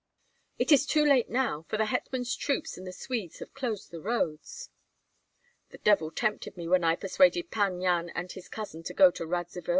"It is too late now, for the hetman's troops and the Swedes have closed the roads." "The devil tempted me when I persuaded Pan Yan and his cousin to go to Radzivill!"